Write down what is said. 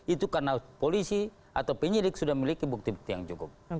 itu karena polisi atau penyidik sudah memiliki bukti bukti yang cukup